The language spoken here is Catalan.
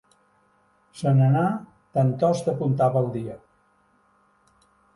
Se n'anà tantost apuntava el dia.